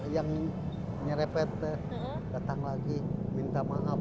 yang nyerepet datang lagi minta maaf